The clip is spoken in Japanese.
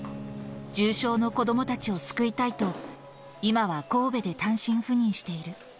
重症の子どもたちを救いたいと、今は神戸で単身赴任している。